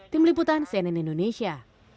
tim liputan cnn indonesia